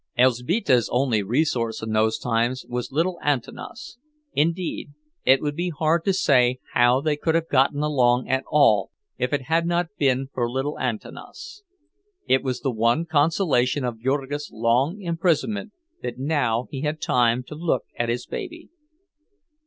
Elzbieta's only resource in those times was little Antanas; indeed, it would be hard to say how they could have gotten along at all if it had not been for little Antanas. It was the one consolation of Jurgis' long imprisonment that now he had time to look at his baby.